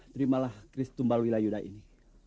terimalah kris tumbalwila yuda ini